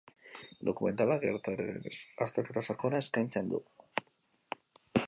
Dokumentalak gertaeren azterketa sakona eskaintzen du.